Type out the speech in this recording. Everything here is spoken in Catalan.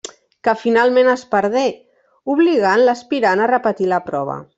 Que finalment es perdé, obligant l'aspirant a repetir la prova.